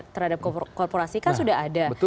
terhadap korporasi kan sudah ada